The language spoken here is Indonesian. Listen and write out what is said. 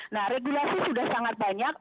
nah regulasi sudah sangat banyak